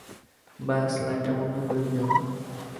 ব্যস লাইটটা বন্ধ করে যেও।